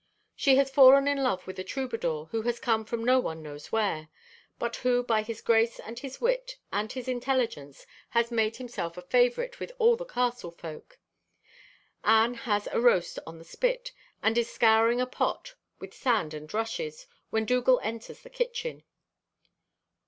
She has fallen in love with a troubadour, who has come from no one knows where, but who by his grace and his wit and his intelligence has made himself a favorite with all the castle folk. Anne has a roast on the spit, and is scouring a pot with sand and rushes, when Dougal enters the kitchen.